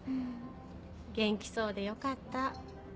元気そうでよかった。